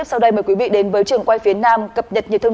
xin mời chị kim thảo ạ